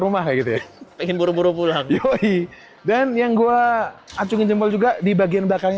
rumah gitu ya pengen buru buru pulang ya dan yang gua acungin jempol juga di bagian belakangnya